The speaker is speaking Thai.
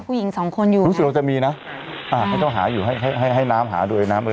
ผู้หญิงสองคนอยู่รู้สึกว่าจะมีนะอ่าไม่ต้องหาอยู่ให้ให้ให้น้ำหาโดยน้ำเอ